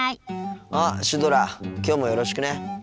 あっシュドラきょうもよろしくね。